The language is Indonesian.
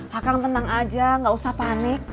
pak kang tenang aja gak usah panik